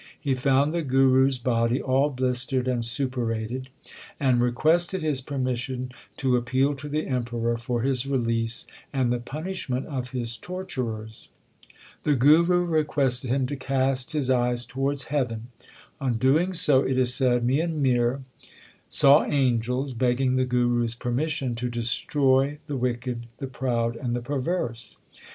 He found the Guru s body all blistered and suppurated, and requested his permission to appeal to the Emperor for his release and the punishment of his torturers. The Guru requested him to cast his eyes towards heaven. On doing so, it is said, Mian Mir saw angels begging the Guru s permission to destroy the wicked, the proud, and the perverse.